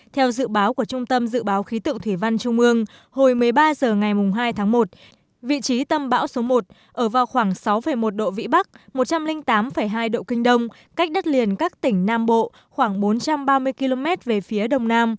theo dự báo của trung tâm dự báo khí tượng thủy văn trung ương hồi một mươi ba h ngày hai tháng một vị trí tâm bão số một ở vào khoảng sáu một độ vĩ bắc một trăm linh tám hai độ kinh đông cách đất liền các tỉnh nam bộ khoảng bốn trăm ba mươi km về phía đông nam